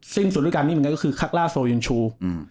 ซึ่งศูนย์ด้วยการนี้มันก็คือคักร่าโซยินชู